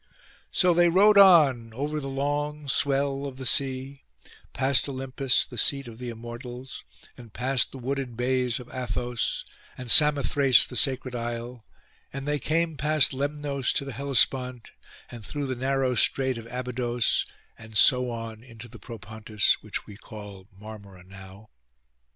So they rowed on over the long swell of the sea, past Olympus, the seat of the Immortals, and past the wooded bays of Athos, and Samothrace the sacred isle; and they came past Lemnos to the Hellespont, and through the narrow strait of Abydos, and so on into the Propontis, which we call Marmora now.